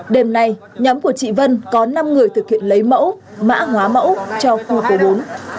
đêm nay nhóm của chị vân có năm người thực hiện lấy mẫu mã hóa mẫu cho khu bốn